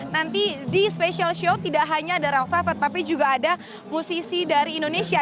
nanti di special show tidak hanya ada rel favo tapi juga ada musisi dari indonesia